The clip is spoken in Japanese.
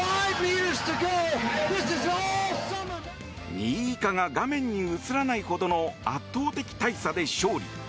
２位以下が画面に映らないほどの圧倒的大差で勝利。